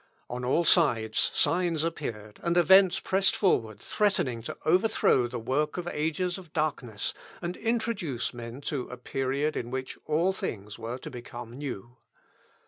On all sides signs appeared, and events pressed forward threatening to overthrow the work of ages of darkness, and introduce men to a period in which "all things were to become new."